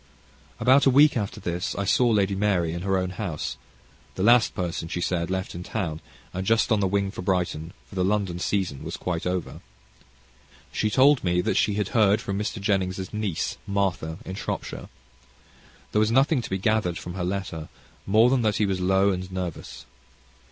About a week after this I saw Lady Mary at her own house, the last person, she said, left in town, and just on the wing for Brighton, for the London season was quite over. She told me that she had heard from Mr. Jenning's niece, Martha, in Shropshire. There was nothing to be gathered from her letter, more than that he was low and nervous.